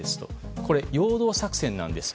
これ、陽動作戦なんですと。